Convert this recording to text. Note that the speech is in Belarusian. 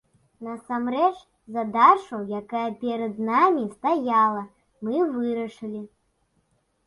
Насамрэч, задачу, якая перад намі стаяла, мы вырашылі.